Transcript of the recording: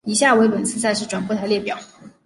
以下为本次赛事转播台列表。